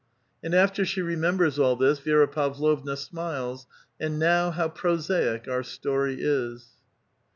And after she remembers all this, Vi^ra Pavlovna smiles and *' now how prosaic our story is